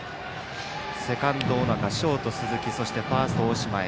セカンド尾中、ショート鈴木そしてファースト、大島へ。